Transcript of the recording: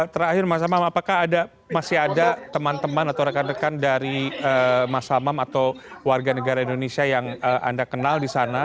terakhir mas amam apakah masih ada teman teman atau rekan rekan dari mas amam atau warga negara indonesia yang anda kenal di sana